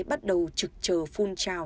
bắt đầu trực trở phun trào